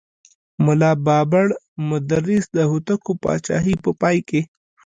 ملا بابړ مدرس د هوتکو پاچاهۍ په پای کې.